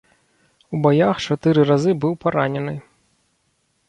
У баях чатыры разы быў паранены.